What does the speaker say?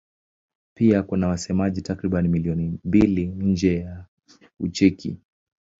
Pia kuna wasemaji takriban milioni mbili nje ya Ucheki.